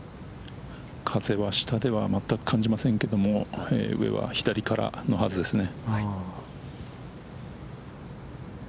風は、下では全く感じませんけれども、上は、左からのはずですね。